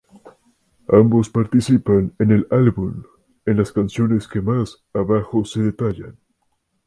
Ambos participan en el álbum en las canciones que más abajo se detallan.